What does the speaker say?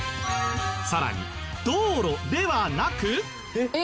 さらに道路ではなく。